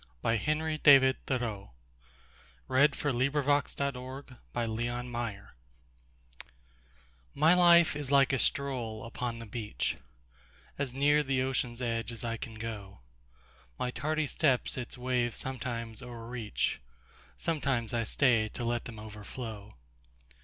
By Henry DavidThoreau 301 The Fisher's Boy MY life is like a stroll upon the beach, As near the ocean's edge as I can go; My tardy steps its waves sometimes o'erreach, Sometimes I stay to let them overflow.